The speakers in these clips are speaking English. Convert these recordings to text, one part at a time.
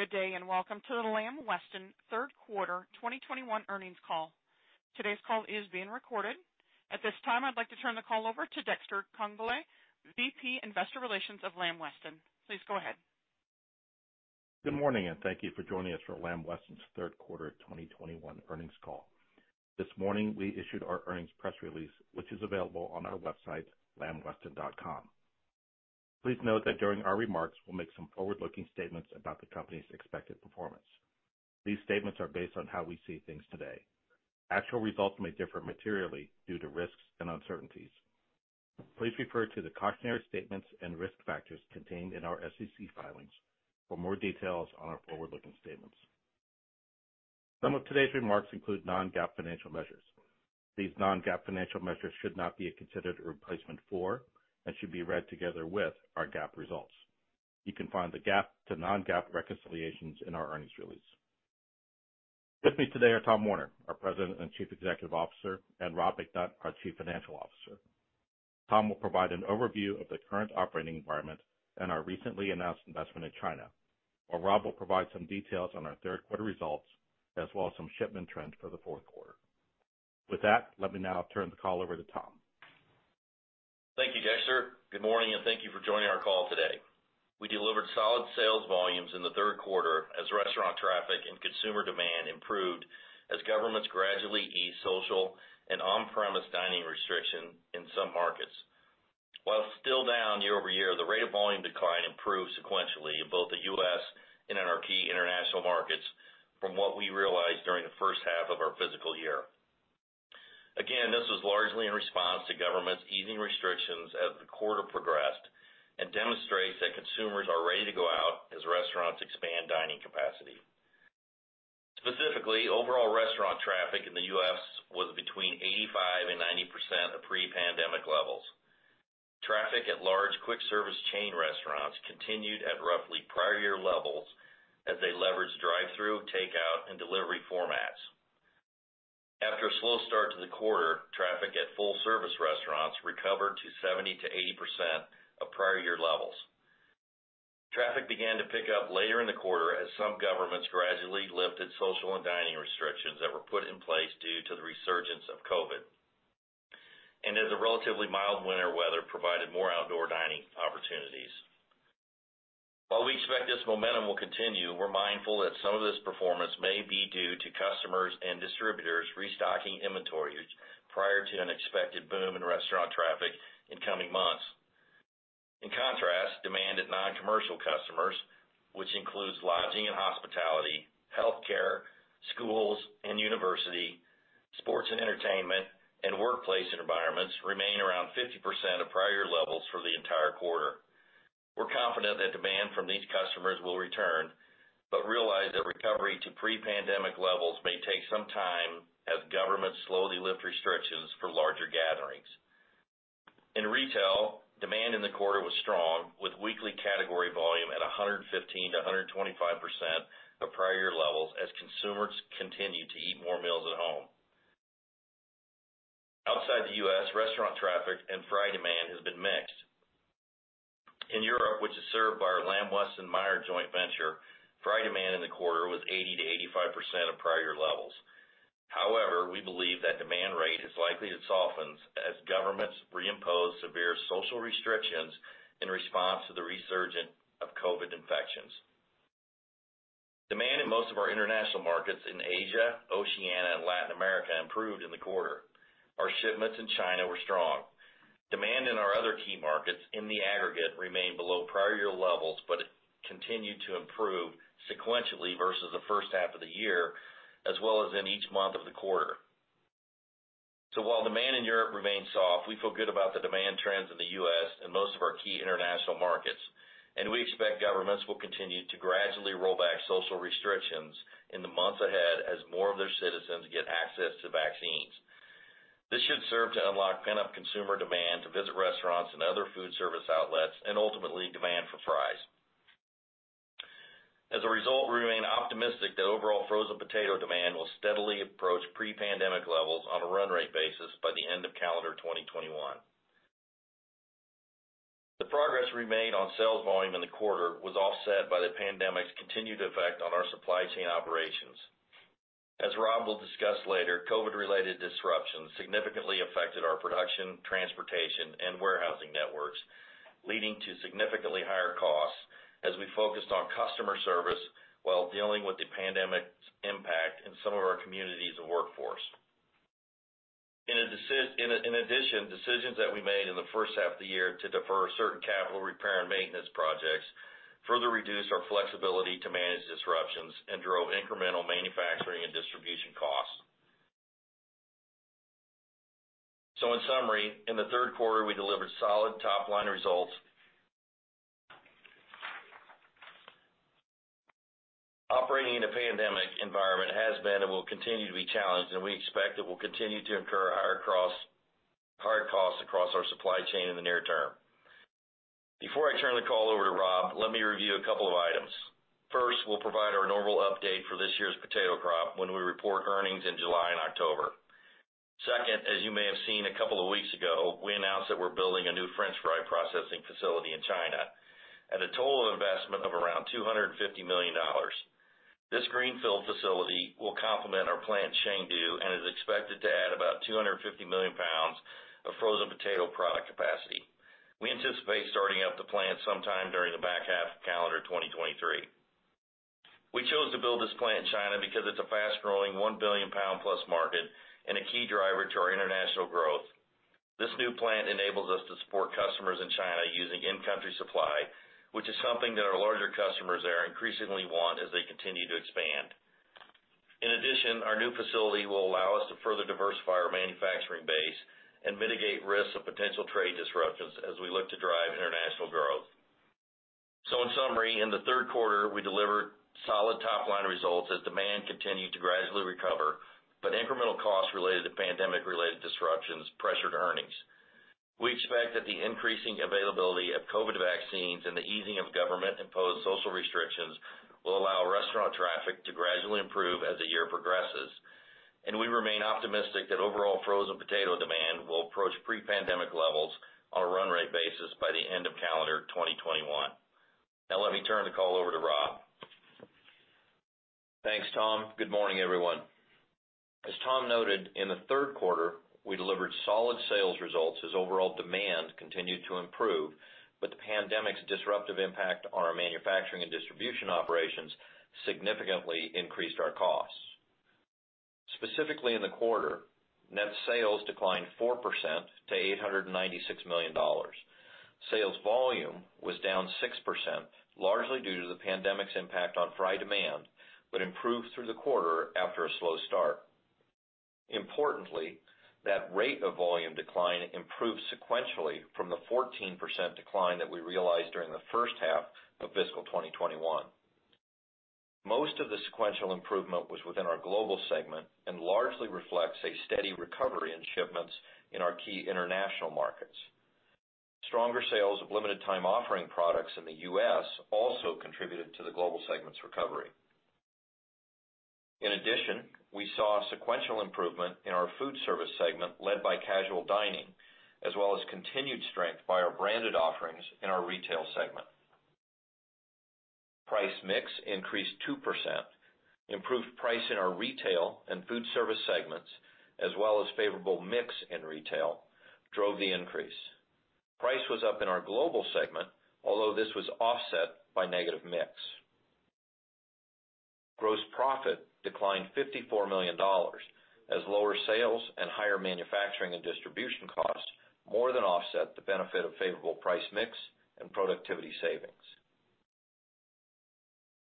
Good day, welcome to the Lamb Weston third quarter 2021 earnings call. Today's call is being recorded. At this time, I'd like to turn the call over to Dexter Congbalay, Vice President of Investor Relations of Lamb Weston. Please go ahead. Good morning, and thank you for joining us for Lamb Weston's third quarter 2021 earnings call. This morning, we issued our earnings press release, which is available on our website, lambweston.com. Please note that during our remarks, we'll make some forward-looking statements about the company's expected performance. These statements are based on how we see things today. Actual results may differ materially due to risks and uncertainties. Please refer to the cautionary statements and risk factors contained in our SEC filings for more details on our forward-looking statements. Some of today's remarks include non-GAAP financial measures. These non-GAAP financial measures should not be considered a replacement for and should be read together with our GAAP results. You can find the GAAP to non-GAAP reconciliations in our earnings release. With me today are Tom Werner, our President and Chief Executive Officer, and Rob McNutt, our Chief Financial Officer. Tom will provide an overview of the current operating environment and our recently announced investment in China. While Rob will provide some details on our third quarter results, as well as some shipment trends for the fourth quarter. With that, let me now turn the call over to Tom. Thank you, Dexter. Good morning, and thank you for joining our call today. We delivered solid sales volumes in the third quarter as restaurant traffic and consumer demand improved as governments gradually eased social and on-premise dining restrictions in some markets. While still down year-over-year, the rate of volume decline improved sequentially in both the U.S. and in our key international markets from what we realized during the first half of our fiscal year. This was largely in response to governments easing restrictions as the quarter progressed and demonstrates that consumers are ready to go out as restaurants expand dining capacity. Specifically, overall restaurant traffic in the U.S. was between 85%-90% of pre-pandemic levels. Traffic at large quick service chain restaurants continued at roughly prior year levels as they leveraged drive-through, takeout, and delivery formats. After a slow start to the quarter, traffic at full service restaurants recovered to 70%-80% of prior year levels. Traffic began to pick up later in the quarter as some governments gradually lifted social and dining restrictions that were put in place due to the resurgence of COVID, and as the relatively mild winter weather provided more outdoor dining opportunities. While we expect this momentum will continue, we're mindful that some of this performance may be due to customers and distributors restocking inventory prior to an expected boom in restaurant traffic in coming months. In contrast, demand at non-commercial customers, which includes lodging and hospitality, healthcare, schools and university, sports and entertainment, and workplace environments, remained around 50% of prior levels for the entire quarter. We're confident that demand from these customers will return, but realize that recovery to pre-pandemic levels may take some time as governments slowly lift restrictions for larger gatherings. In retail, demand in the quarter was strong, with weekly category volume at 115%-125% of prior year levels as consumers continued to eat more meals at home. Outside the U.S., restaurant traffic and fry demand has been mixed. In Europe, which is served by our Lamb Weston/Meijer joint venture, fry demand in the quarter was 80%-85% of prior year levels. However, we believe that demand rate is likely to soften as governments reimpose severe social restrictions in response to the resurgence of COVID infections. Demand in most of our international markets in Asia, Oceania, and Latin America improved in the quarter. Our shipments in China were strong. Demand in our other key markets in the aggregate remained below prior year levels, but it continued to improve sequentially versus the first half of the year, as well as in each month of the quarter. While demand in Europe remains soft, we feel good about the demand trends in the U.S. and most of our key international markets, and we expect governments will continue to gradually roll back social restrictions in the months ahead as more of their citizens get access to vaccines. This should serve to unlock pent-up consumer demand to visit restaurants and other food service outlets, and ultimately, demand for fries. As a result, we remain optimistic that overall frozen potato demand will steadily approach pre-pandemic levels on a run rate basis by the end of calendar 2021. The progress we made on sales volume in the quarter was offset by the pandemic's continued effect on our supply chain operations. As Rob will discuss later, COVID related disruptions significantly affected our production, transportation, and warehousing networks, leading to significantly higher costs as we focused on customer service while dealing with the pandemic's impact in some of our communities and workforce. In addition, decisions that we made in the first half of the year to defer certain capital repair and maintenance projects further reduced our flexibility to manage disruptions and drove incremental manufacturing and distribution costs. In summary, in the third quarter, we delivered solid top-line results. Operating in a pandemic environment has been and will continue to be challenged, and we expect that we'll continue to incur hard costs across our supply chain in the near term. Before I turn the call over to Rob, let me review a couple of items. First, we'll provide our normal update for this year's potato crop when we report earnings in July and October. Second, as you may have seen a couple of weeks ago, we announced that we're building a new French fry processing facility in China. At a total investment of around $250 million, this greenfield facility will complement our plant in Shangdu and is expected to add about 250 million pounds of frozen potato product capacity. We anticipate starting up the plant sometime during the back half of calendar 2023. We chose to build this plant in China because it's a fast-growing, 1 billion pounds+ market and a key driver to our international growth. This new plant enables us to support customers in China using in-country supply, which is something that our larger customers there increasingly want as they continue to expand. Our new facility will allow us to further diversify our manufacturing base and mitigate risks of potential trade disruptions as we look to drive international growth. In summary, in the third quarter, we delivered solid top-line results as demand continued to gradually recover, but incremental costs related to pandemic-related disruptions pressured earnings. We expect that the increasing availability of COVID vaccines and the easing of government-imposed social restrictions will allow restaurant traffic to gradually improve as the year progresses, and we remain optimistic that overall frozen potato demand will approach pre-pandemic levels on a run rate basis by the end of calendar 2021. Let me turn the call over to Rob. Thanks, Tom. Good morning, everyone. As Tom noted, in the third quarter, we delivered solid sales results as overall demand continued to improve, but the pandemic's disruptive impact on our manufacturing and distribution operations significantly increased our costs. Specifically in the quarter, net sales declined 4% to $896 million. Sales volume was down 6%, largely due to the pandemic's impact on fry demand, but improved through the quarter after a slow start. Importantly, that rate of volume decline improved sequentially from the 14% decline that we realized during the first half of fiscal 2021. Most of the sequential improvement was within our global segment and largely reflects a steady recovery in shipments in our key international markets. Stronger sales of limited time offering products in the U.S. also contributed to the global segment's recovery. In addition, we saw sequential improvement in our food service segment, led by casual dining, as well as continued strength by our branded offerings in our retail segment. Price mix increased 2%. Improved price in our retail and food service segments, as well as favorable mix in retail, drove the increase. Price was up in our global segment, although this was offset by negative mix. Gross profit declined $54 million as lower sales and higher manufacturing and distribution costs more than offset the benefit of favorable price mix and productivity savings.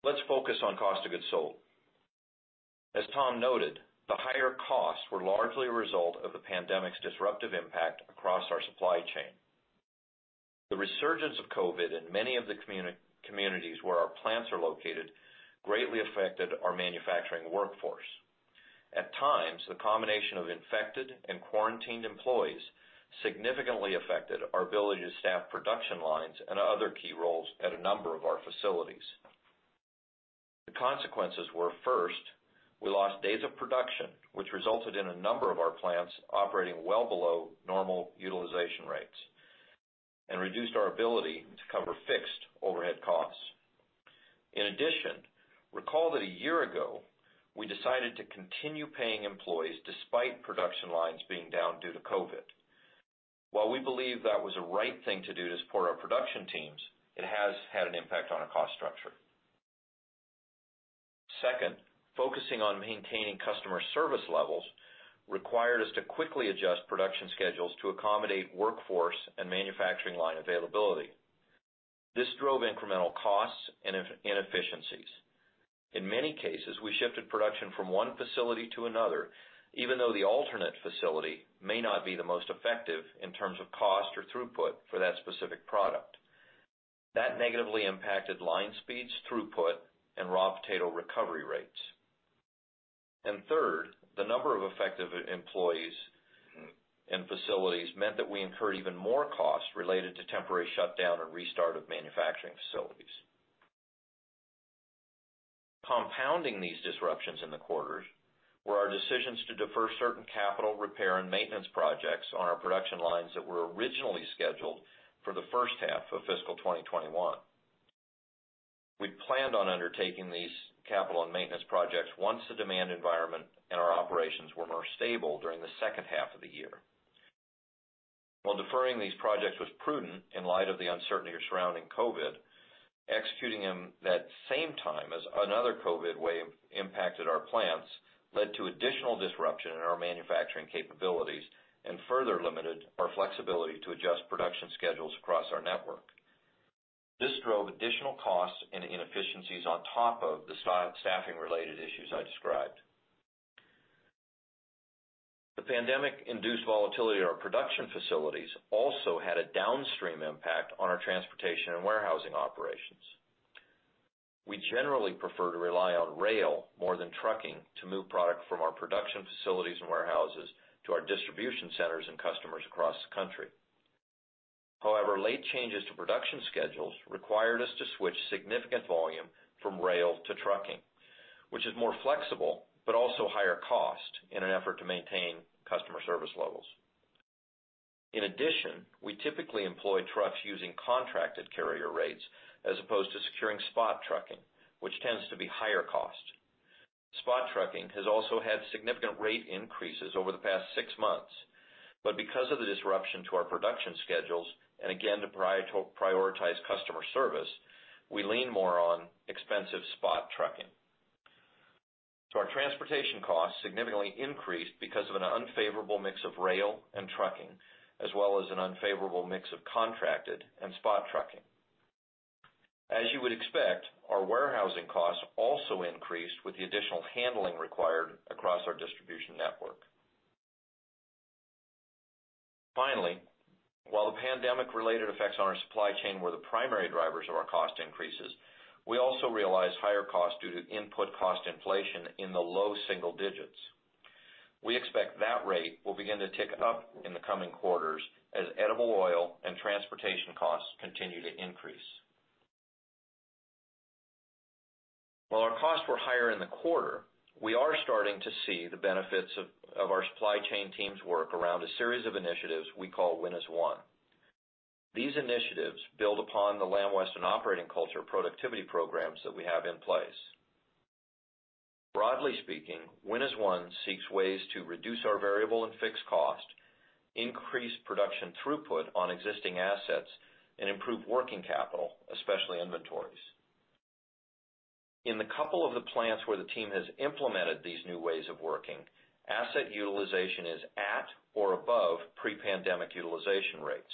Let's focus on cost of goods sold. As Tom noted, the higher costs were largely a result of the pandemic's disruptive impact across our supply chain. The resurgence of COVID in many of the communities where our plants are located greatly affected our manufacturing workforce. At times, the combination of infected and quarantined employees significantly affected our ability to staff production lines and other key roles at a number of our facilities. The consequences were, first, we lost days of production, which resulted in a number of our plants operating well below normal utilization rates and reduced our ability to cover fixed overhead costs. Recall that a year ago, we decided to continue paying employees despite production lines being down due to COVID. While we believe that was a right thing to do to support our production teams, it has had an impact on our cost structure. Second, focusing on maintaining customer service levels required us to quickly adjust production schedules to accommodate workforce and manufacturing line availability. This drove incremental costs and inefficiencies. In many cases, we shifted production from one facility to another, even though the alternate facility may not be the most effective in terms of cost or throughput for that specific product. That negatively impacted line speeds, throughput, and raw potato recovery rates. Third, the number of affected employees and facilities meant that we incurred even more costs related to temporary shutdown and restart of manufacturing facilities. Compounding these disruptions in the quarters were our decisions to defer certain capital repair and maintenance projects on our production lines that were originally scheduled for the first half of fiscal 2021. We planned on undertaking these capital and maintenance projects once the demand environment and our operations were more stable during the second half of the year. While deferring these projects was prudent in light of the uncertainty surrounding COVID, executing them that same time as another COVID wave impacted our plants led to additional disruption in our manufacturing capabilities and further limited our flexibility to adjust production schedules across our network. This drove additional costs and inefficiencies on top of the staffing-related issues I described. The pandemic-induced volatility at our production facilities also had a downstream impact on our transportation and warehousing operations. We generally prefer to rely on rail more than trucking to move product from our production facilities and warehouses to our distribution centers and customers across the country. However, late changes to production schedules required us to switch significant volume from rail to trucking, which is more flexible but also higher cost, in an effort to maintain customer service levels. In addition, we typically employ trucks using contracted carrier rates as opposed to securing spot trucking, which tends to be higher cost. Spot trucking has also had significant rate increases over the past six months, but because of the disruption to our production schedules, and again, to prioritize customer service. We lean more on expensive spot trucking. Our transportation costs significantly increased because of an unfavorable mix of rail and trucking, as well as an unfavorable mix of contracted and spot trucking. As you would expect, our warehousing costs also increased with the additional handling required across our distribution network. Finally, while the pandemic-related effects on our supply chain were the primary drivers of our cost increases, we also realized higher costs due to input cost inflation in the low single digits. We expect that rate will begin to tick up in the coming quarters as edible oil and transportation costs continue to increase. While our costs were higher in the quarter, we are starting to see the benefits of our supply chain team's work around a series of initiatives we call Win as One. These initiatives build upon the Lamb Weston operating culture productivity programs that we have in place. Broadly speaking, Win as One seeks ways to reduce our variable and fixed cost, increase production throughput on existing assets, and improve working capital, especially inventories. In the couple of the plants where the team has implemented these new ways of working, asset utilization is at or above pre-pandemic utilization rates,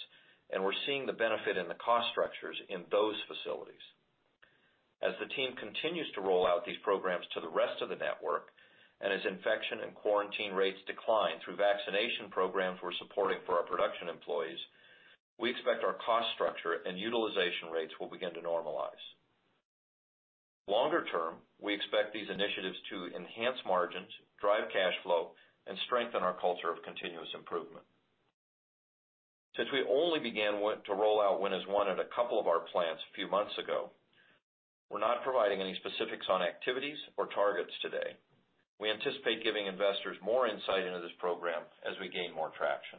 and we're seeing the benefit in the cost structures in those facilities. As the team continues to roll out these programs to the rest of the network, and as infection and quarantine rates decline through vaccination programs we're supporting for our production employees. We expect our cost structure and utilization rates will begin to normalize. Longer term, we expect these initiatives to enhance margins, drive cash flow, and strengthen our culture of continuous improvement. Since we only began to roll out Win as One at a couple of our plants a few months ago, we're not providing any specifics on activities or targets today. We anticipate giving investors more insight into this program as we gain more traction.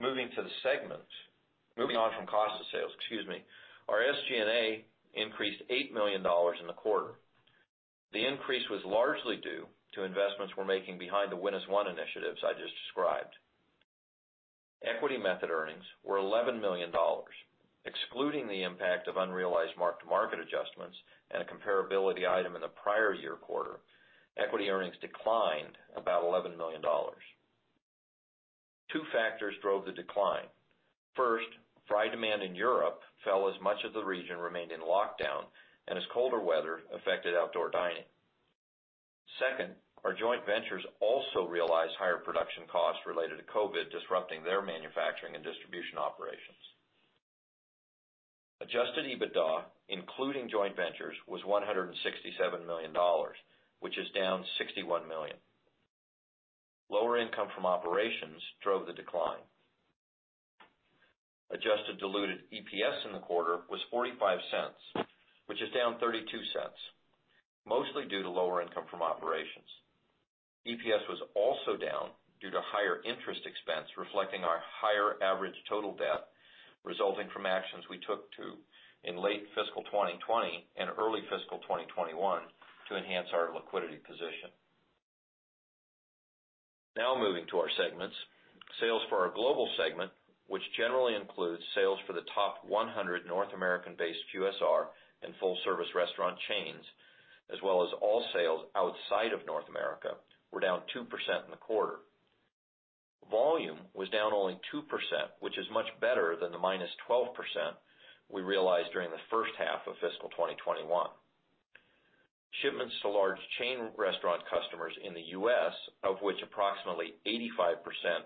Moving on from cost of sales, our SG&A increased $8 million in the quarter. The increase was largely due to investments we're making behind the Win as One initiatives I just described. Equity method earnings were $11 million. Excluding the impact of unrealized mark-to-market adjustments and a comparability item in the prior year quarter, equity earnings declined about $11 million. Two factors drove the decline. First, fry demand in Europe fell as much of the region remained in lockdown and as colder weather affected outdoor dining. Second, our joint ventures also realized higher production costs related to COVID disrupting their manufacturing and distribution operations. Adjusted EBITDA, including joint ventures, was $167 million, which is down $61 million. Lower income from operations drove the decline. Adjusted diluted EPS in the quarter was $0.45, which is down $0.32, mostly due to lower income from operations. EPS was also down due to higher interest expense, reflecting our higher average total debt resulting from actions we took to in late fiscal 2020 and early fiscal 2021 to enhance our liquidity position. Moving to our segments, sales for our global segment, which generally includes sales for the top 100 North American-based QSR and full-service restaurant chains, as well as all sales outside of North America, were down 2% in the quarter. Volume was down only 2%, which is much better than the -12% we realized during the first half of fiscal 2021. Shipments to large chain restaurant customers in the U.S., of which approximately 85%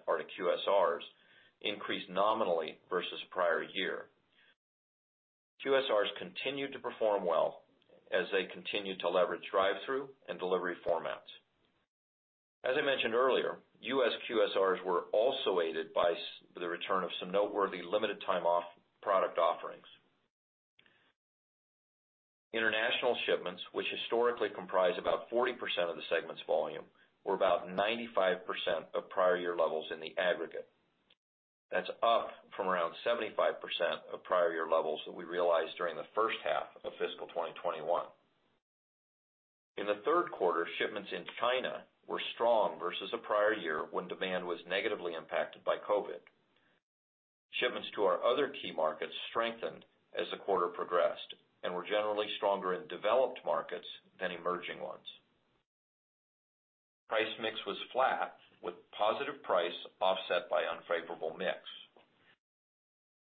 are to QSRs, increased nominally versus prior year. QSRs continued to per form well as they continued to leverage drive-through and delivery formats. As I mentioned earlier, U.S. QSRs were also aided by the return of some noteworthy limited-time product offerings. International shipments, which historically comprise about 40% of the segment's volume, were about 95% of prior year levels in the aggregate. That's up from around 75% of prior year levels that we realized during the first half of fiscal 2021. In the third quarter, shipments in China were strong versus the prior year when demand was negatively impacted by COVID. Shipments to our other key markets strengthened as the quarter progressed and were generally stronger in developed markets than emerging ones. Price mix was flat with positive price offset by unfavorable mix.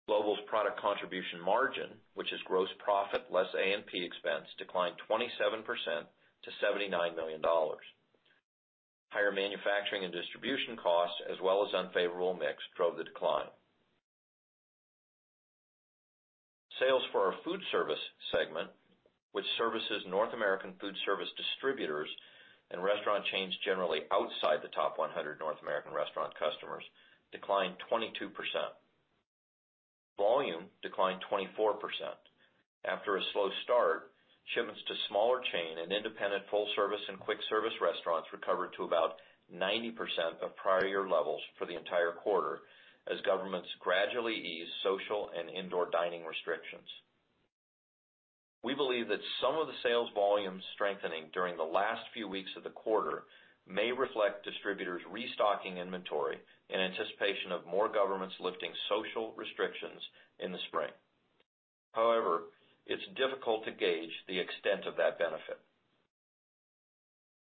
Global's product contribution margin, which is gross profit less A&P expense, declined 27% to $79 million. Higher manufacturing and distribution costs, as well as unfavorable mix, drove the decline. Sales for our food service segment, which services North American food service distributors and restaurant chains generally outside the top 100 North American restaurant customers, declined 22%. Volume declined 24%. After a slow start, shipments to smaller chain and independent full service and Quick Service Restaurants recovered to about 90% of prior year levels for the entire quarter, as governments gradually eased social and indoor dining restrictions. We believe that some of the sales volume strengthening during the last few weeks of the quarter may reflect distributors restocking inventory in anticipation of more governments lifting social restrictions in the spring. However, it's difficult to gauge the extent of that benefit.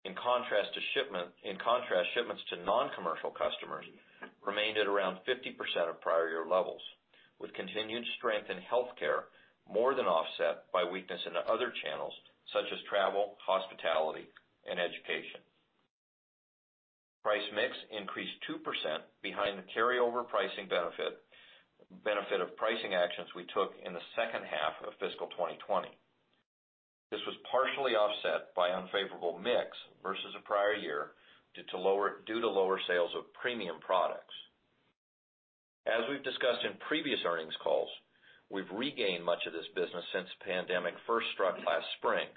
In contrast, shipments to non-commercial customers remained at around 50% of prior year levels, with continued strength in healthcare more than offset by weakness into other channels such as travel, hospitality, and education. Price mix increased 2% behind the carryover pricing benefit of pricing actions we took in the second half of fiscal 2020. This was partially offset by unfavorable mix versus the prior year, due to lower sales of premium products. As we've discussed in previous earnings calls, we've regained much of this business since the pandemic first struck last spring.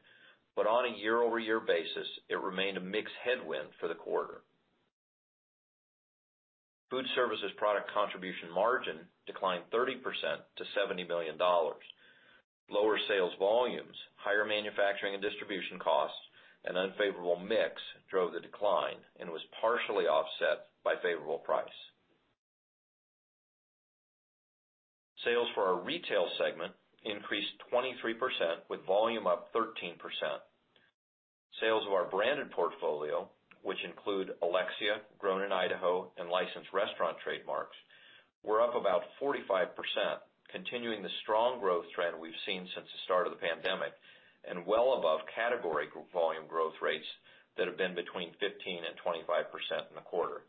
On a year-over-year basis, it remained a mixed headwind for the quarter. Food services product contribution margin declined 30% to $70 million. Lower sales volumes, higher manufacturing and distribution costs, and unfavorable mix drove the decline and was partially offset by favorable price. Sales for our retail segment increased 23%, with volume up 13%. Sales of our branded portfolio, which include Alexia, Grown in Idaho, and licensed restaurant trademarks, were up about 45%, continuing the strong growth trend we've seen since the start of the pandemic. Well above category volume growth rates that have been between 15% and 25% in the quarter.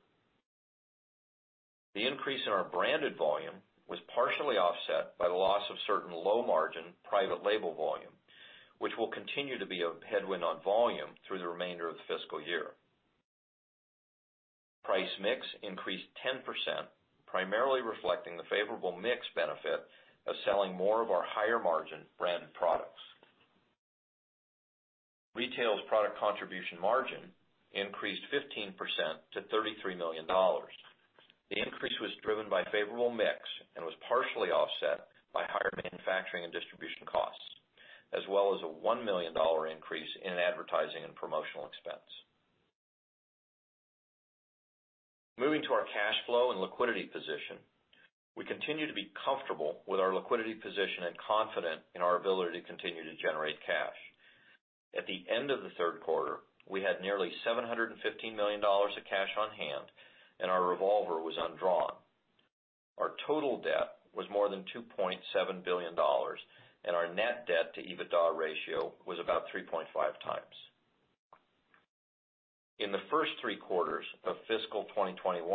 The increase in our branded volume was partially offset by the loss of certain low-margin private label volume, which will continue to be a headwind on volume through the remainder of the fiscal year. Price mix increased 10%, primarily reflecting the favorable mix benefit of selling more of our higher margin branded products. Retail's product contribution margin increased 15% to $33 million. The increase was driven by favorable mix and was partially offset by higher manufacturing and distribution costs, as well as a $1 million increase in advertising and promotional expense. Moving to our cash flow and liquidity position. We continue to be comfortable with our liquidity position and confident in our ability to continue to generate cash. At the end of the third quarter, we had nearly $715 million of cash on hand, and our revolver was undrawn. Our total debt was more than $2.7 billion, and our net debt to EBITDA ratio was about 3.5x. In the first three quarters of fiscal 2021,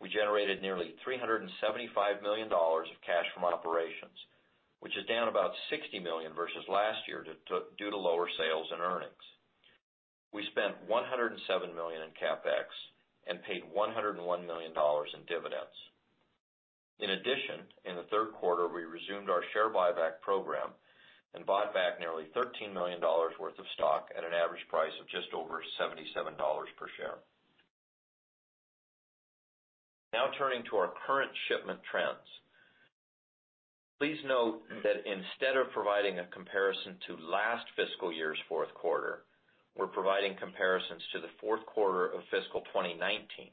we generated nearly $375 million of cash from operations, which is down about $60 million versus last year, due to lower sales and earnings. We spent $107 million in CapEx and paid $101 million in dividends. In addition, in the third quarter, we resumed our share buyback program and bought back nearly $13 million worth of stock at an average price of just over $77 per share. Turning to our current shipment trends. Please note that instead of providing a comparison to last fiscal year's fourth quarter, we're providing comparisons to the fourth quarter of fiscal 2019.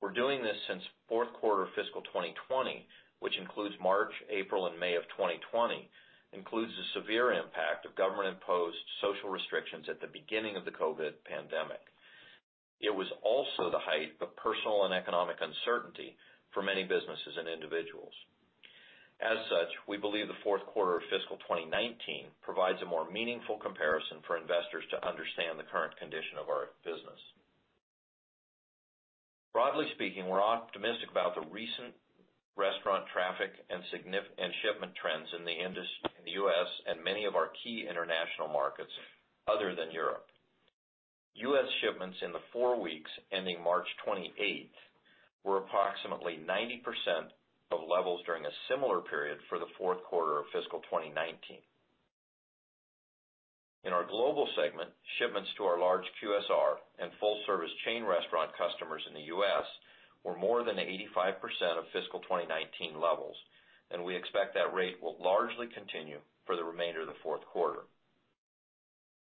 We're doing this since fourth quarter of fiscal 2020, which includes March, April, and May of 2020, includes the severe impact of government-imposed social restrictions at the beginning of the COVID pandemic. It was also the height of personal and economic uncertainty for many businesses and individuals. As such, we believe the fourth quarter of fiscal 2019 provides a more meaningful comparison for investors to understand the current condition of our business. Broadly speaking, we're optimistic about the recent restaurant traffic and shipment trends in the industry in the U.S. and many of our key international markets other than Europe. U.S. shipments in the four weeks ending March 28th were approximately 90% of levels during a similar period for the fourth quarter of fiscal 2019. In our global segment, shipments to our large QSR and full-service chain restaurant customers in the U.S. were more than 85% of fiscal 2019 levels, and we expect that rate will largely continue for the remainder of the fourth quarter.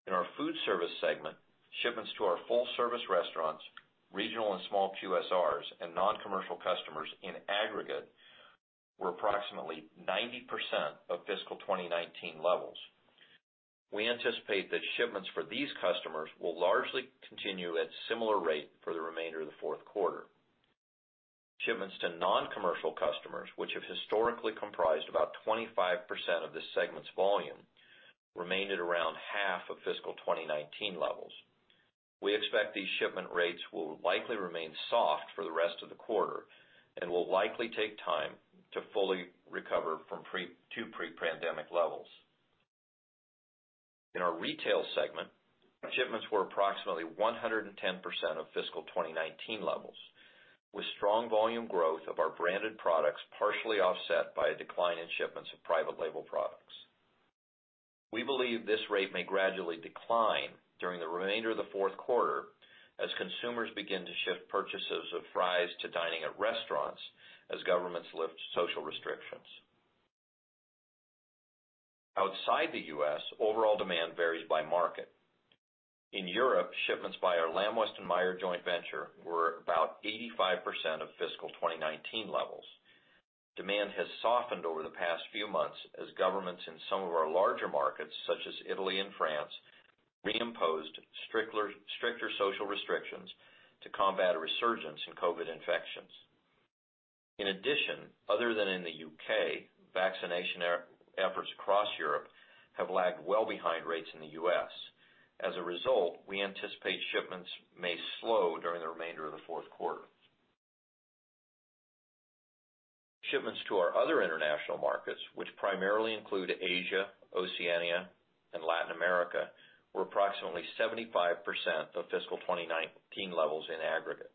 In our food service segment, shipments to our full-service restaurants, regional and small QSRs, and non-commercial customers in aggregate were approximately 90% of fiscal 2019 levels. We anticipate that shipments for these customers will largely continue at similar rate for the remainder of the fourth quarter. Shipments to non-commercial customers, which have historically comprised about 25% of this segment's volume, remained at around half of fiscal 2019 levels. We expect these shipment rates will likely remain soft for the rest of the quarter and will likely take time to fully recover to pre-pandemic levels. In our retail segment, shipments were approximately 110% of fiscal 2019 levels, with strong volume growth of our branded products partially offset by a decline in shipments of private label products. We believe this rate may gradually decline during the remainder of the fourth quarter as consumers begin to shift purchases of fries to dining at restaurants as governments lift social restrictions. Outside the U.S., overall demand varies by market. In Europe, shipments by our Lamb Weston/Meijer joint venture were about 85% of fiscal 2019 levels. Demand has softened over the past few months as governments in some of our larger markets, such as Italy and France, re-imposed stricter social restrictions to combat a resurgence in COVID infections. In addition, other than in the U.K., vaccination efforts across Europe have lagged well behind rates in the U.S. As a result, we anticipate shipments may slow during the remainder of the fourth quarter. Shipments to our other international markets, which primarily include Asia, Oceania, and Latin America, were approximately 75% of fiscal 2019 levels in aggregate.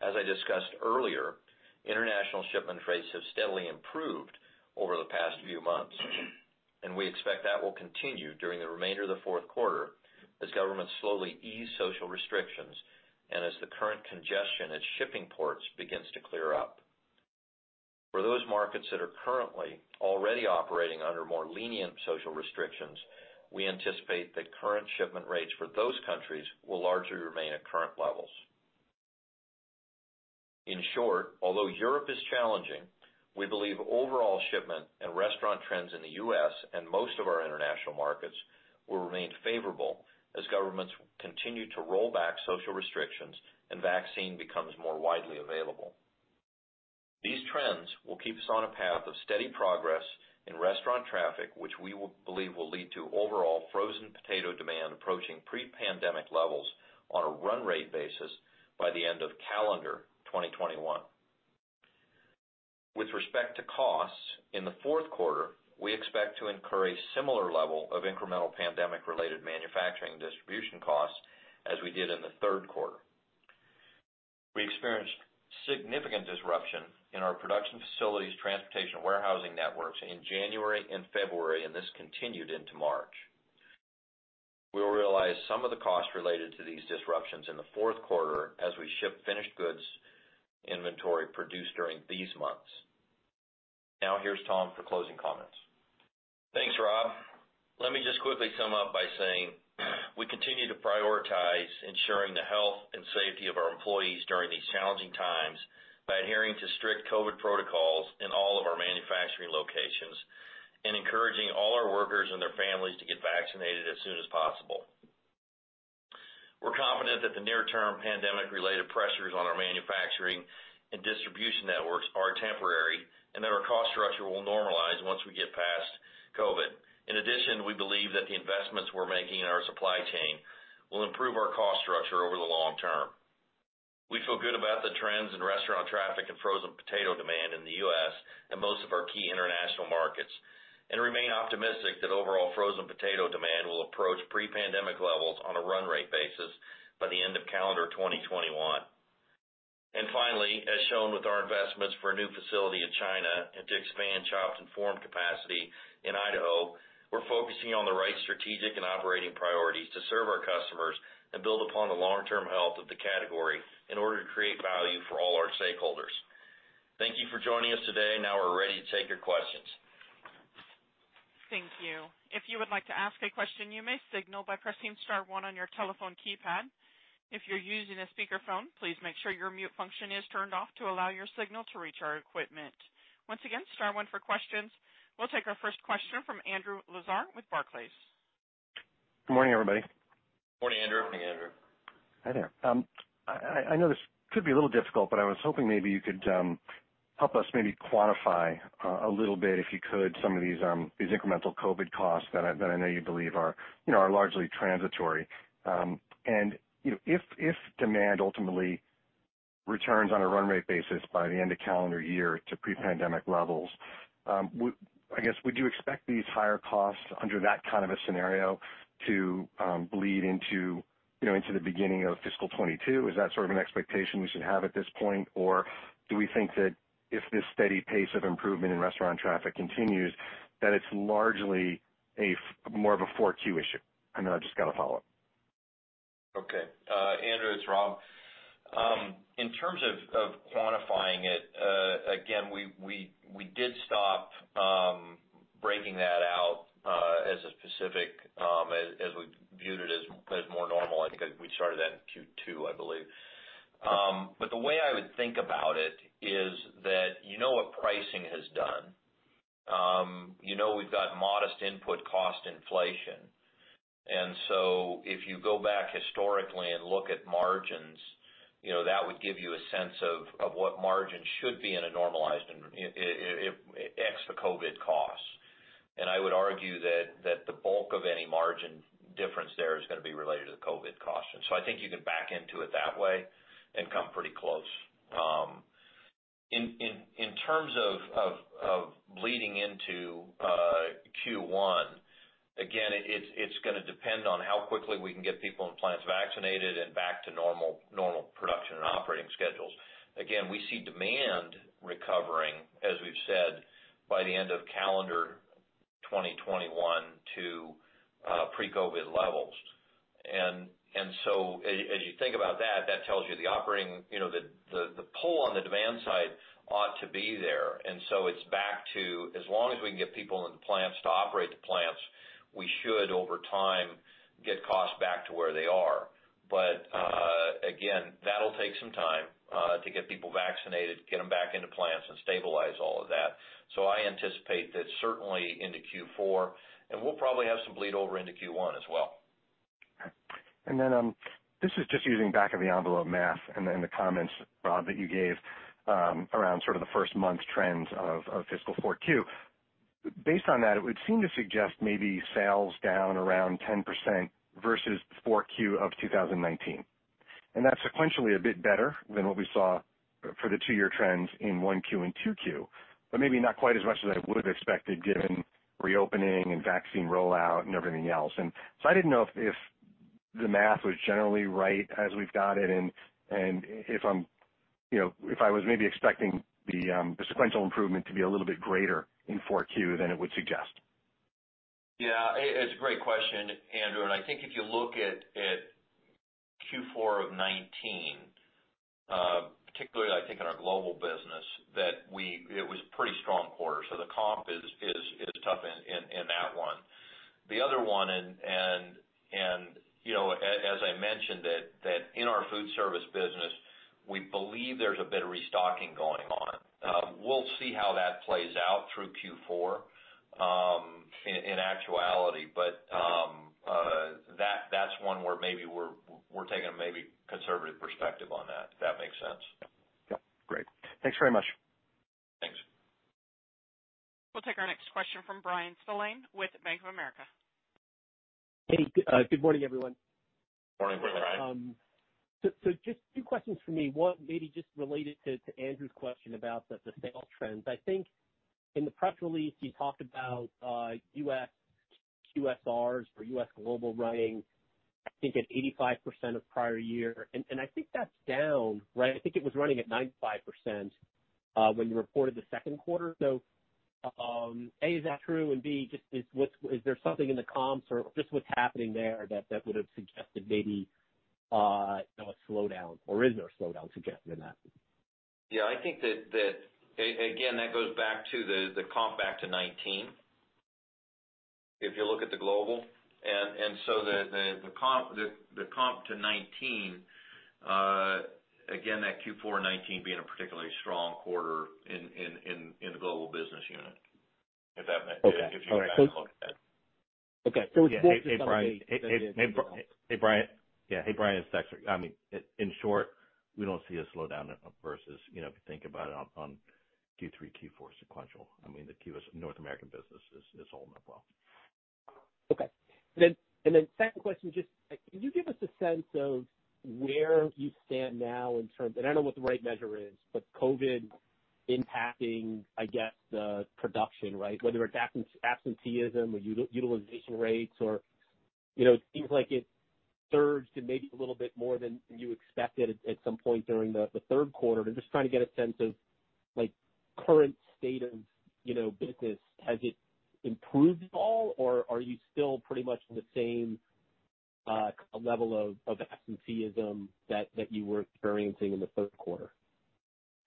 As I discussed earlier, international shipment rates have steadily improved over the past few months, and we expect that will continue during the remainder of the fourth quarter as governments slowly ease social restrictions and as the current congestion at shipping ports begins to clear up. For those markets that are currently already operating under more lenient social restrictions, we anticipate that current shipment rates for those countries will largely remain at current levels. In short, although Europe is challenging, we believe overall shipment and restaurant trends in the U.S. and most of our international markets will remain favorable as governments continue to roll back social restrictions and vaccine becomes more widely available. These trends will keep us on a path of steady progress in restaurant traffic, which we believe will lead to overall frozen potato demand approaching pre-pandemic levels on a run rate basis by the end of calendar 2021. With respect to costs, in the fourth quarter, we expect to incur a similar level of incremental pandemic related manufacturing distribution costs as we did in the third quarter. We experienced significant disruption in our production facilities, transportation, and warehousing networks in January and February, and this continued into March. We will realize some of the costs related to these disruptions in the fourth quarter as we ship finished goods inventory produced during these months. Now, here's Tom for closing comments. Thanks, Rob. Let me just quickly sum up by saying we continue to prioritize ensuring the health and safety of our employees during these challenging times by adhering to strict COVID protocols in all of our manufacturing locations and encouraging all our workers and their families to get vaccinated as soon as possible. We're confident that the near term pandemic related pressures on our manufacturing and distribution networks are temporary and that our cost structure will normalize once we get past COVID. In addition, we believe that the investments we're making in our supply chain will improve our cost structure over the long term. We feel good about the trends in restaurant traffic and frozen potato demand in the U.S. and most of our key international markets, and remain optimistic that overall frozen potato demand will approach pre-pandemic levels on a run rate basis by the end of calendar 2021. Finally, as shown with our investments for a new facility in China and to expand chopped and formed capacity in Idaho, we're focusing on the right strategic and operating priorities to serve our customers and build upon the long-term health of the category in order to create value for all our stakeholders. Thank you for joining us today. Now we're ready to take your questions. Thank you. If you would like to ask a question, you may signal by pressing star one on your telephone keypad. If you're using a speakerphone, please make sure your mute function is turned off to allow your signal to reach our equipment. Once again, star one for questions. We'll take our first question from Andrew Lazar with Barclays. Good morning, everybody. Morning, Andrew. Morning, Andrew. Hi there. I know this could be a little difficult, but I was hoping maybe you could help us maybe quantify a little bit, if you could, some of these incremental COVID costs that I know you believe are largely transitory. If demand ultimately returns on a run rate basis by the end of calendar year to pre-pandemic levels, would you expect these higher costs under that kind of a scenario to bleed into the beginning of fiscal 2022? Is that sort of an expectation we should have at this point? Do we think that if this steady pace of improvement in restaurant traffic continues, that it's largely more of a 4Q issue? Then I've just got a follow-up. Okay. Andrew, it's Rob. In terms of quantifying it, again, we did stop breaking that out as a specific as we viewed it as more normal. I think we started that in Q2, I believe. The way I would think about it is that you know what pricing has done. You know we've got modest input cost inflation. If you go back historically and look at margins, that would give you a sense of what margins should be in a normalized ex the COVID costs. I would argue that the bulk of any margin difference there is going to be related to the COVID cost. I think you can back into it that way and come pretty close. In terms of bleeding into Q1, again, it's going to depend on how quickly we can get people and plants vaccinated and back to normal production and operating schedules. Again, we see demand recovering, as we've said, by the end of calendar 2021 to pre-COVID levels. As you think about that tells you the pull on the demand side ought to be there. It's back to, as long as we can get people in the plants to operate the plants, we should, over time, get costs back to where they are. Again, that'll take some time to get people vaccinated, get them back into plants, and stabilize all of that. I anticipate that certainly into Q4, and we'll probably have some bleed over into Q1 as well. This is just using back of the envelope math and the comments, Rob, that you gave around the first month trends of fiscal 4Q. Based on that, it would seem to suggest maybe sales down around 10% versus 4Q of 2019. That's sequentially a bit better than what we saw for the two-year trends in 1Q and 2Q, but maybe not quite as much as I would have expected given reopening and vaccine rollout and everything else. I didn't know if the math was generally right as we've got it and if I was maybe expecting the sequential improvement to be a little bit greater in 4Q than it would suggest. Yeah. It's a great question, Andrew. I think if you look at Q4 of 2019, particularly I think in our global business, that it was a pretty strong quarter. The comp is tough in that one. The other one, as I mentioned that in our food service business, we believe there's a bit of restocking going on. We'll see how that plays out through Q4 in actuality. That's one where maybe we're taking a maybe conservative perspective on that, if that makes sense. Yep. Great. Thanks very much. Thanks. We'll take our next question from Bryan Spillane with Bank of America. Hey, good morning, everyone. Morning, Bryan. Just two questions from me. One maybe just related to Andrew's question about the sales trends. I think in the press release, you talked about U.S. QSRs or U.S. global running, I think, at 85% of prior year, and I think that's down, right? I think it was running at 95% when you reported the second quarter. A, is that true? B, is there something in the comps or just what's happening there that would have suggested maybe a slowdown? Or is there a slowdown suggested in that? Yeah, I think that, again, that goes back to the comp back to 2019, if you look at the global. The comp to 2019, again, that Q4 2019 being a particularly strong quarter in the global business unit. If that gives you a better look at it. Hey, Bryan, it's Dexter. In short, we don't see a slowdown versus if you think about it on Q3, Q4 sequential. The North American business is holding up well. Okay. Second question, can you give us a sense of where you stand now and I don't know what the right measure is, but COVID impacting, I guess, the production, right? Whether it's absenteeism or utilization rates. It seems like it surged and maybe a little bit more than you expected at some point during the third quarter. Just trying to get a sense of current state of business. Has it improved at all? Are you still pretty much in the same level of absenteeism that you were experiencing in the third quarter?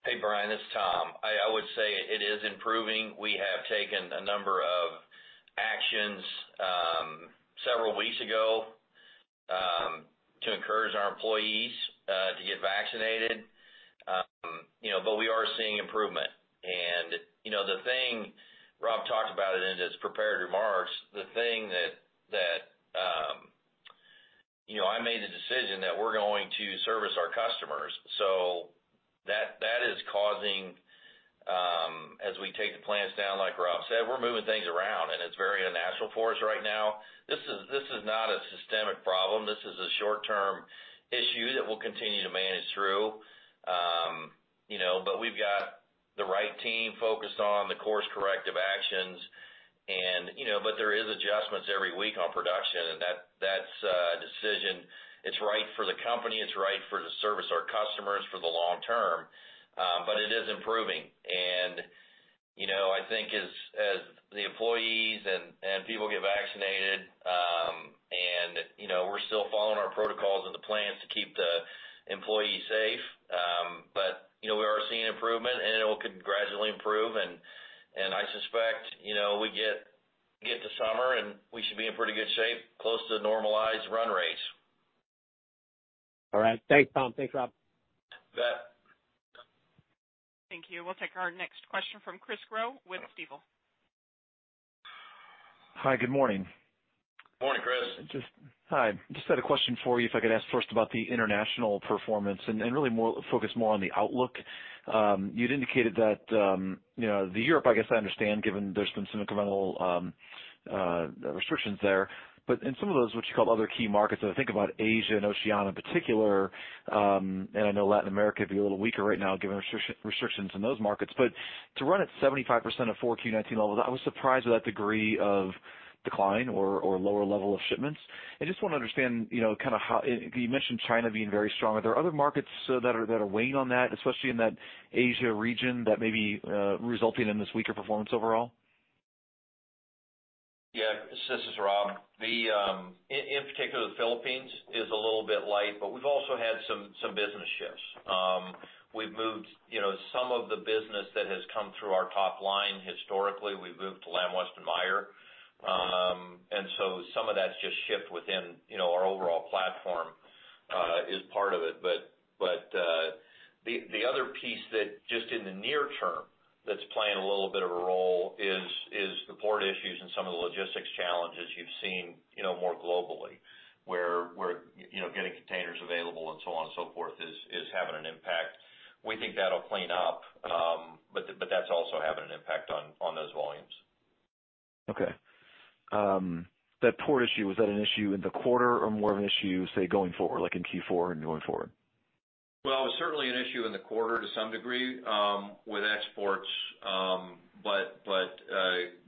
Hey, Bryan, it's Tom. I would say it is improving. We have taken a number of actions several weeks ago to encourage our employees to get vaccinated. We are seeing improvement. The thing Rob talked about it in his prepared remarks, the thing that I made the decision that we're going to service our customers. That is causing, as we take the plants down like Rob said, we're moving things around, and it's very unnatural for us right now. This is not a systemic problem. This is a short-term issue that we'll continue to manage through. We've got the right team focused on the course corrective actions. There is adjustments every week on production, and that's a decision. It's right for the company, it's right for to service our customers for the long term. It is improving. I think as the employees and people get vaccinated, and we're still following our protocols in the plants to keep the employees safe. We are seeing improvement, and it will gradually improve. I suspect we get the summer, and we should be in pretty good shape, close to normalized run rates. All right. Thanks, Tom. Thanks, Rob. You bet. Thank you. We'll take our next question from Chris Growe with Stifel. Hi, good morning. Morning, Chris. Hi. Just had a question for you, if I could ask first about the international performance and really focus more on the outlook. You'd indicated that the Europe, I guess I understand, given there's been some incremental restrictions there, but in some of those, which you call other key markets, I think about Asia and Oceania in particular, and I know Latin America would be a little weaker right now given restrictions in those markets. To run at 75% of 4Q19 levels, I was surprised at that degree of decline or lower level of shipments. I just want to understand, you mentioned China being very strong. Are there other markets that are weighing on that, especially in that Asia region that may be resulting in this weaker performance overall? Yeah. This is Rob. In particular, the Philippines is a little bit light, but we've also had some business shifts. We've moved some of the business that has come through our top line historically, we've moved to Lamb Weston/Meijer. Some of that's just shift within our overall platform, is part of it. The other piece that just in the near term that's playing a little bit of a role is the port issues and some of the logistics challenges you've seen more globally, where getting containers available and so on and so forth is having an impact. We think that'll clean up. That's also having an impact on those volumes. Okay. That port issue, was that an issue in the quarter or more of an issue, say, going forward, like in Q4 and going forward? Well, it was certainly an issue in the quarter to some degree with exports.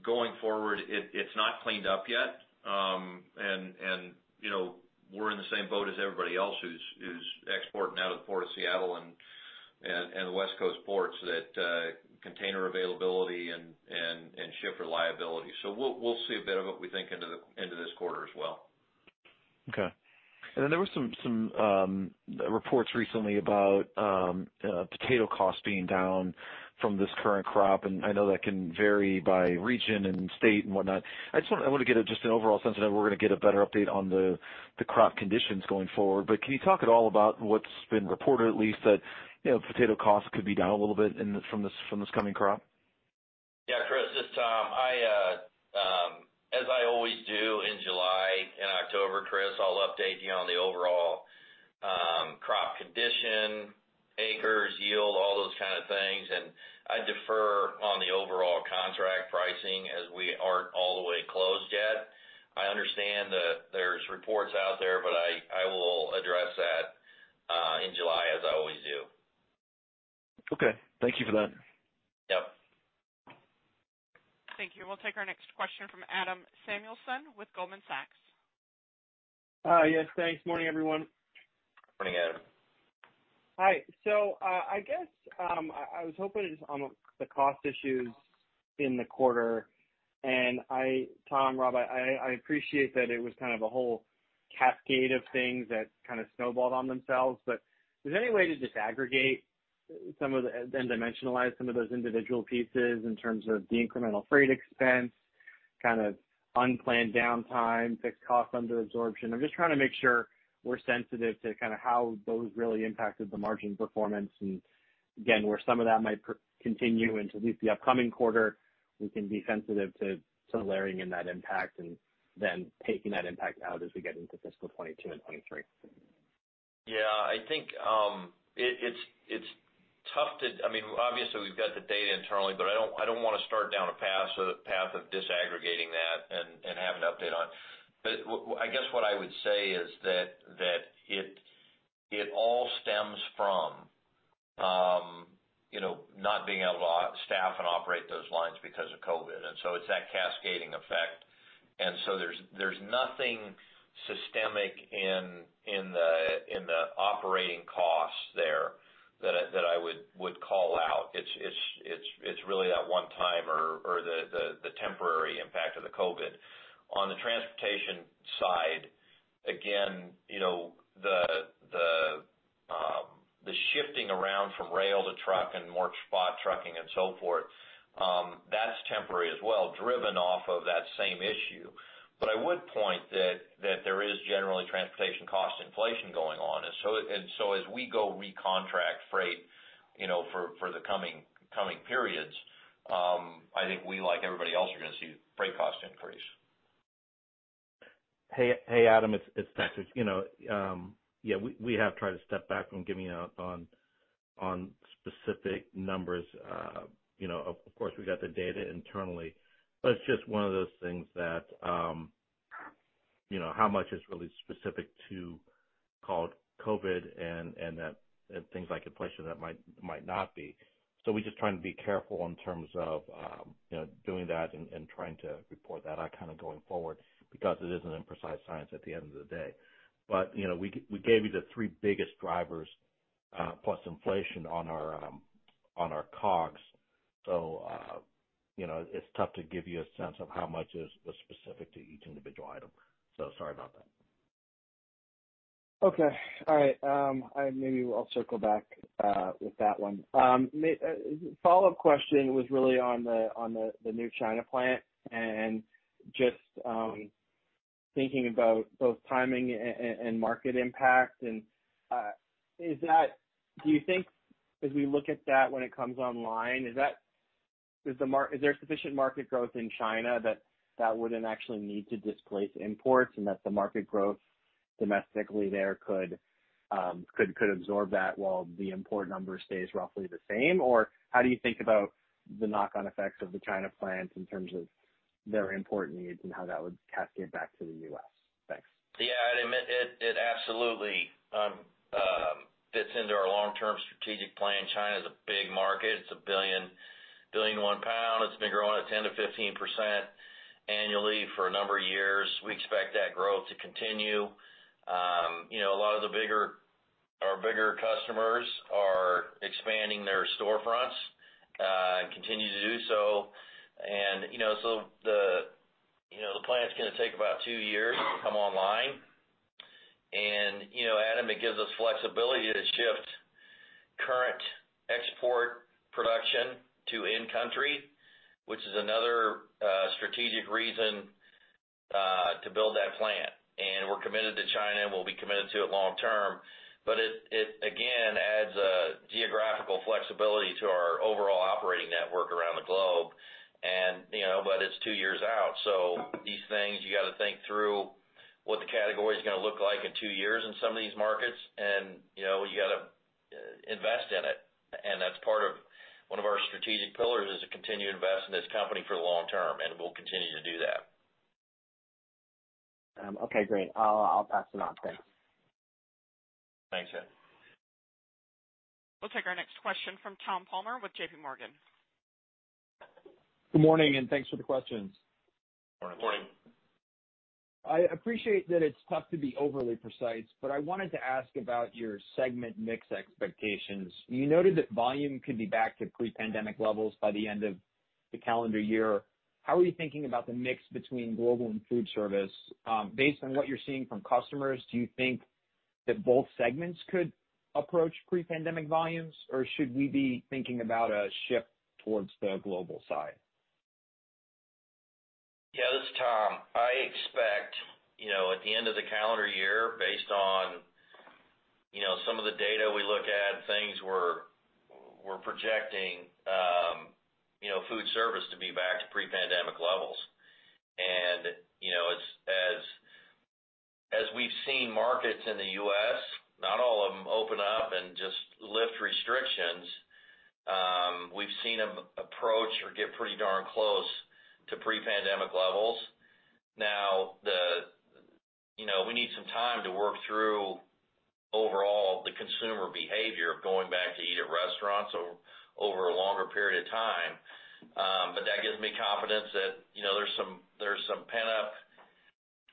Going forward, it's not cleaned up yet. We're in the same boat as everybody else who's exporting out of the Port of Seattle and the West Coast ports that container availability and ship reliability. We'll see a bit of what we think into this quarter as well. Okay. There were some reports recently about potato costs being down from this current crop, and I know that can vary by region and state and whatnot. I want to get just an overall sense of that we're going to get a better update on the crop conditions going forward. Can you talk at all about what's been reported at least that potato costs could be down a little bit from this coming crop? Yeah, Chris, this is Tom. As I always do in July and October, Chris, I'll update you on the overall crop condition, acres, yield, all those kind of things. I defer on the overall contract pricing as we aren't all the way closed yet. I understand that there's reports out there, but I will address that in July as I always do. Okay. Thank you for that. Yep. Thank you. We'll take our next question from Adam Samuelson with Goldman Sachs. Yes, thanks. Morning, everyone. Morning, Adam. Hi. I guess, I was hoping just on the cost issues in the quarter, and Tom, Rob, I appreciate that it was kind of a whole cascade of things that kind of snowballed on themselves. Is there any way to disaggregate and dimensionalize some of those individual pieces in terms of the incremental freight expense, kind of unplanned downtime, fixed cost under absorption? I'm just trying to make sure we're sensitive to how those really impacted the margin performance and again, where some of that might continue into at least the upcoming quarter. We can be sensitive to layering in that impact and then taking that impact out as we get into fiscal 2022 and 2023. I think obviously we've got the data internally, but I don't want to start down a path of disaggregating that and have an update on. I guess what I would say is that it all stems from not being able to staff and operate those lines because of COVID. It's that cascading effect. There's nothing systemic in the operating costs there that I would call out. It's really that one-time or the temporary impact of the COVID. On the transportation side, again, the shifting around from rail to truck and more spot trucking and so forth, that's temporary as well, driven off of that same issue. I would point that there is generally transportation cost inflation going on. As we go recontract freight for the coming periods, I think we, like everybody else, are going to see freight cost increase. Hey, Adam, it's Dexter. We have tried to step back from giving out on specific numbers. Of course, we got the data internally, but it's just one of those things that how much is really specific to COVID and things like inflation that might not be. We're just trying to be careful in terms of doing that and trying to report that out going forward, because it isn't an imprecise science at the end of the day. We gave you the three biggest drivers plus inflation on our COGS. It's tough to give you a sense of how much is specific to each individual item. Sorry about that. Okay. All right. Maybe I'll circle back with that one. Follow-up question was really on the new China plant and just thinking about both timing and market impact. Do you think as we look at that when it comes online, is there sufficient market growth in China that wouldn't actually need to displace imports and that the market growth domestically there could absorb that while the import number stays roughly the same? Or how do you think about the knock-on effects of the China plants in terms of their import needs and how that would cascade back to the U.S.? Thanks. Yeah, I'd admit it absolutely fits into our long-term strategic plan. China's a big market. It's a billion, 1 billion pound. It's been growing at 10%-15% annually for a number of years. We expect that growth to continue. A lot of our bigger customers are expanding their storefronts, and continue to do so. The plant's going to take about two years to come online. Adam, it gives us flexibility to shift current export production to in-country, which is another strategic reason to build that plant. We're committed to China, and we'll be committed to it long term. It, again, adds a geographical flexibility to our overall operating network around the globe. It's two years out. These things, you got to think through what the category's going to look like in two years in some of these markets, and you got to invest in it. That's part of one of our strategic pillars, is to continue to invest in this company for the long term, and we'll continue to do that. Okay, great. I'll pass it on. Thanks. Thanks, Adam. We'll take our next question from Tom Palmer with JPMorgan. Good morning, and thanks for the questions. Good morning. I appreciate that it's tough to be overly precise, but I wanted to ask about your segment mix expectations. You noted that volume could be back to pre-pandemic levels by the end of the calendar year. How are you thinking about the mix between global and food service? Based on what you're seeing from customers, do you think that both segments could approach pre-pandemic volumes, or should we be thinking about a shift towards the global side? Yeah, this is Tom. I expect, at the end of the calendar year, based on some of the data we look at, things we're projecting food service to be back to pre-pandemic levels. As we've seen markets in the U.S., not all of them open up and just lift restrictions. We've seen them approach or get pretty darn close to pre-pandemic levels. Now, we need some time to work through, overall, the consumer behavior of going back to eat at restaurants over a longer period of time. That gives me confidence that there's some pent-up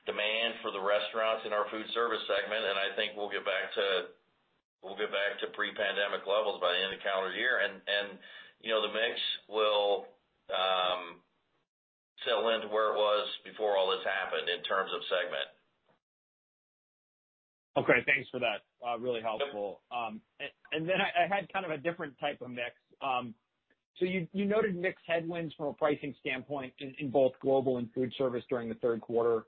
demand for the restaurants in our food service segment, and I think we'll get back to pre-pandemic levels by the end of calendar year. The mix will settle into where it was before all this happened, in terms of segment. Okay. Thanks for that. Really helpful. I had kind of a different type of mix. You noted mix headwinds from a pricing standpoint in both global and food service during the third quarter.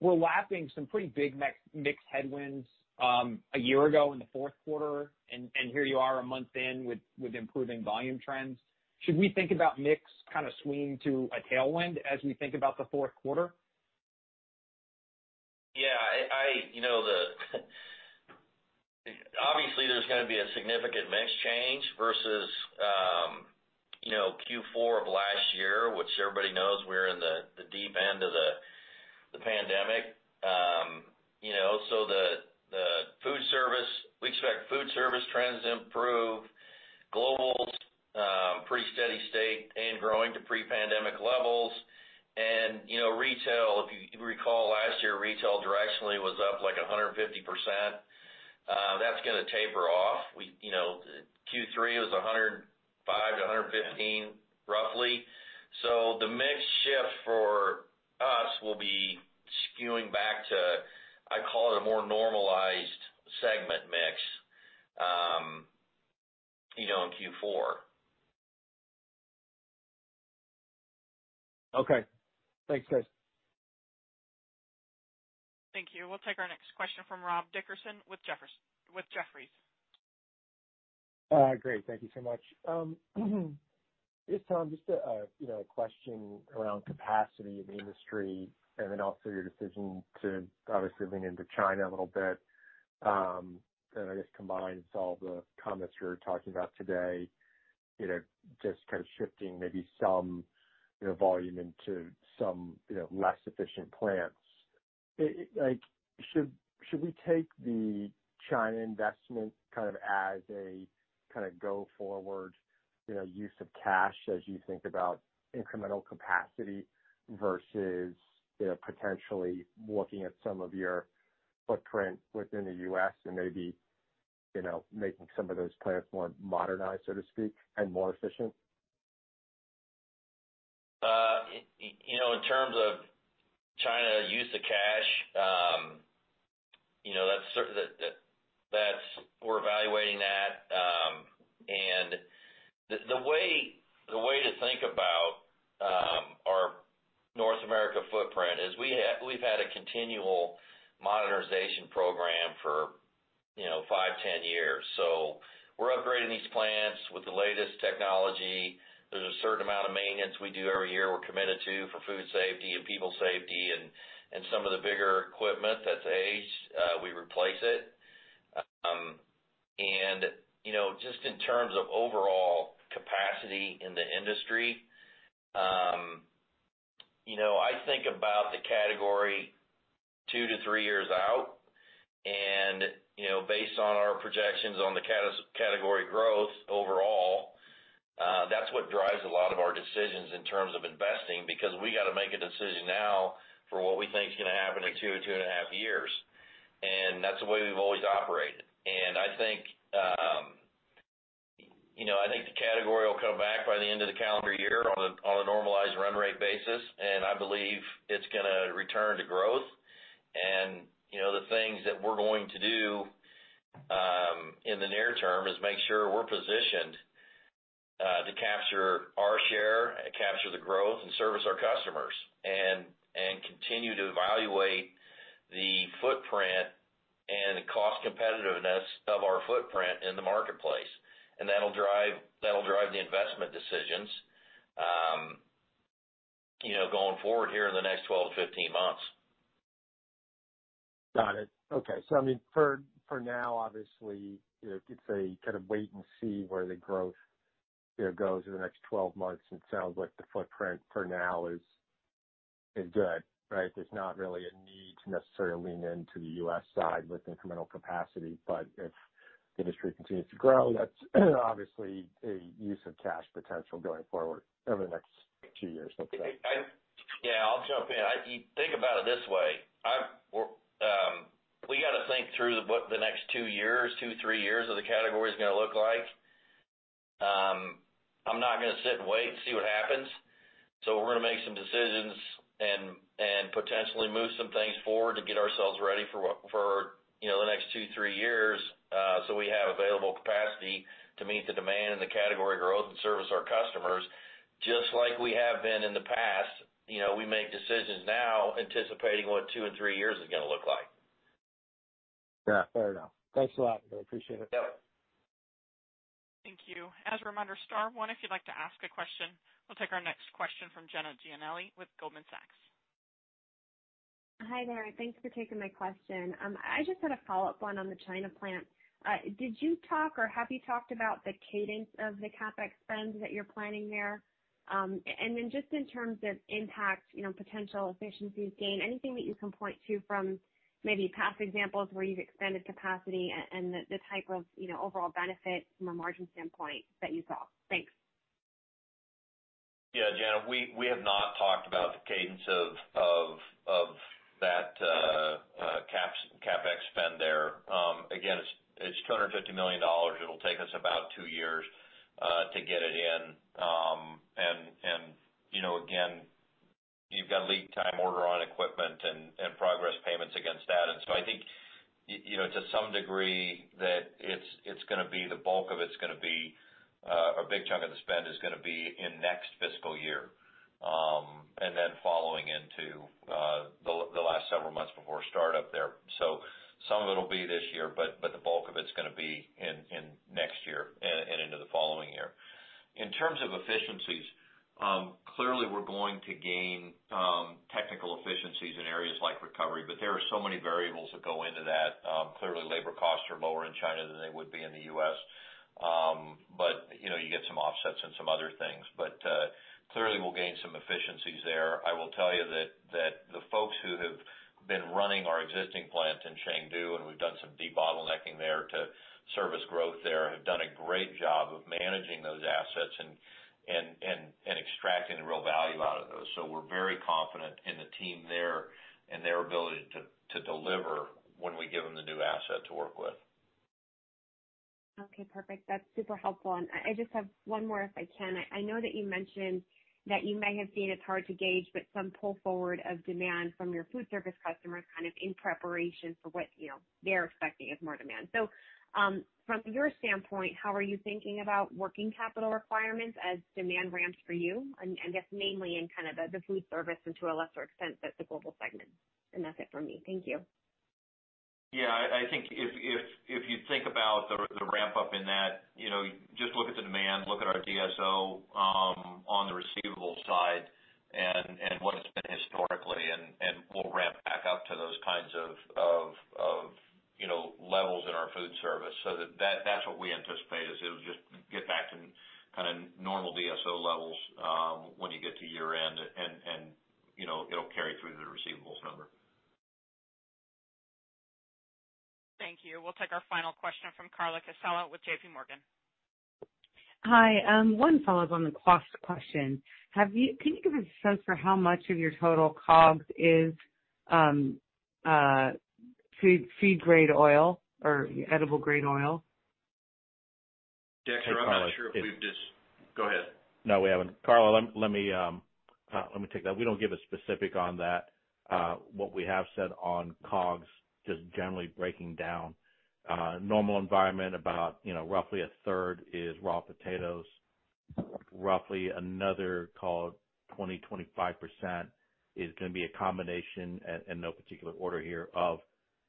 We're lapping some pretty big mix headwinds a year ago in the fourth quarter, and here you are a month in with improving volume trends. Should we think about mix kind of swinging to a tailwind as we think about the fourth quarter? Yeah. Obviously, there's gonna be a significant mix change versus Q4 of last year, which everybody knows we're in the deep end of the pandemic. We expect food service trends to improve, global's pretty steady state and growing to pre-pandemic levels. Retail, if you recall last year, retail directionally was up, like, 150%. That's gonna taper off. Q3 was 105%-115%, roughly. The mix shift for us will be skewing back to, I call it, a more normalized segment mix on Q4. Okay. Thanks, guys. Thank you. We'll take our next question from Rob Dickerson with Jefferies. Great. Thank you so much. Hey, Tom, just a question around capacity in the industry, and then also your decision to obviously lean into China a little bit. I guess combines all the comments you were talking about today, just kind of shifting maybe some volume into some less efficient plants. Should we take the China investment as a kind of go forward use of cash as you think about incremental capacity versus potentially looking at some of your footprint within the U.S. and maybe making some of those plants more modernized, so to speak, and more efficient? In terms of China use of cash, we're evaluating that. The way to think about continual modernization program for five, 10 years. We're upgrading these plants with the latest technology. There's a certain amount of maintenance we do every year we're committed to for food safety and people safety, and some of the bigger equipment that's aged, we replace it. Just in terms of overall capacity in the industry, I think about the category two to three years out, and based on our projections on the category growth overall. That's what drives a lot of our decisions in terms of investing, because we got to make a decision now for what we think is going to happen in two or two and a half years. That's the way we've always operated. I think the category will come back by the end of the calendar year on a normalized run rate basis, and I believe it's going to return to growth. The things that we're going to do in the near term is make sure we're positioned to capture our share, capture the growth, and service our customers, and continue to evaluate the footprint and the cost competitiveness of our footprint in the marketplace. That'll drive the investment decisions going forward here in the next 12-15 months. Got it. Okay. I mean, for now, obviously, it is a kind of wait and see where the growth here goes in the next 12 months. It sounds like the footprint for now is good. Right? There is not really a need to necessarily lean into the U.S. side with incremental capacity. If the industry continues to grow, that is obviously a use of cash potential going forward over the next two years, looks like. Yeah, I'll jump in. Think about it this way. We got to think through what the next two years, two, three years of the category's going to look like. I'm not going to sit and wait and see what happens. We're going to make some decisions and potentially move some things forward to get ourselves ready for the next two, three years so we have available capacity to meet the demand and the category growth and service our customers, just like we have been in the past. We make decisions now anticipating what two and three years is going to look like. Yeah. Fair enough. Thanks a lot. I appreciate it. Yep. Thank you. As a reminder, star one if you'd like to ask a question. We'll take our next question from Jenna Giannelli with Goldman Sachs. Hi there. Thanks for taking my question. I just had a follow-up one on the China plant. Did you talk or have you talked about the cadence of the CapEx spend that you're planning there? Then just in terms of impact, potential efficiencies gained, anything that you can point to from maybe past examples where you've expanded capacity and the type of overall benefit from a margin standpoint that you saw? Thanks. Jenna, we have not talked about the cadence of that CapEx spend there. Again, it's $250 million. It'll take us about two years to get it in. Again, you've got lead time order on equipment and progress payments against that. I think to some degree that the bulk of it's going to be a big chunk of the spend is going to be in next fiscal year, and then following into the last several months before startup there. Some of it'll be this year, but the bulk of it's going to be in next year and into the following year. In terms of efficiencies, clearly we're going to gain technical efficiencies in areas like recovery, but there are so many variables that go into that. Clearly, labor costs are lower in China than they would be in the U.S. You get some offsets and some other things. Clearly we'll gain some efficiencies there. I will tell you that the folks who have been running our existing plant in Chengdu, and we've done some debottlenecking there to service growth there, have done a great job of managing those assets and extracting the real value out of those. We're very confident in the team there and their ability to deliver when we give them the new asset to work with. Okay, perfect. That's super helpful. I just have one more if I can. I know that you mentioned that you may have seen it's hard to gauge, but some pull forward of demand from your food service customers kind of in preparation for what they're expecting as more demand. From your standpoint, how are you thinking about working capital requirements as demand ramps for you? I guess mainly in kind of the food service and to a lesser extent at the global segment. That's it for me. Thank you. I think if you think about the ramp-up in that, just look at the demand, look at our DSO on the receivable side and what it's been historically, and we'll ramp back up to those kinds of levels in our food service. That's what we anticipate is it'll just get back to kind of normal DSO levels when you get to year end, and it'll carry through the receivables number. Thank you. We'll take our final question from Carla Casella with JPMorgan. Hi. One follow-up on the cost question. Can you give a sense for how much of your total COGS is food-grade oil or edible-grade oil? Dexter, I'm not sure if we've. Go ahead. No, we haven't. Carla, let me take that. We don't give a specific on that. What we have said on COGS, just generally breaking down, normal environment, about roughly a third is raw potatoes. Roughly another, call it 20%, 25%, is going to be a combination, in no particular order here, of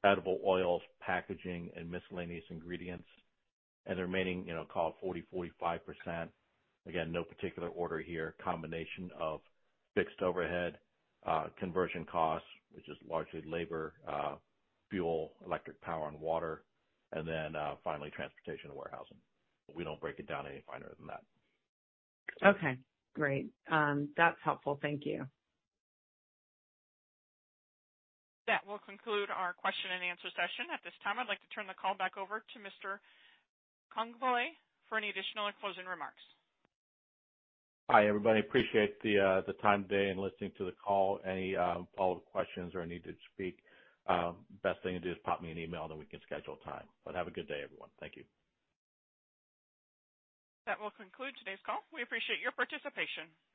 edible oils, packaging, and miscellaneous ingredients. The remaining, call it 40%, 45%, again, no particular order here, combination of fixed overhead, conversion costs, which is largely labor, fuel, electric power, and water, and then finally, transportation and warehousing. We don't break it down any finer than that. Okay, great. That's helpful. Thank you. That will conclude our question-and-answer session. At this time, I'd like to turn the call back over to Mr. Congbalay for any additional or closing remarks. Hi, everybody. Appreciate the time today and listening to the call. Any follow-up questions or need to speak, best thing to do is pop me an email, then we can schedule a time. Have a good day, everyone. Thank you. That will conclude today's call. We appreciate your participation.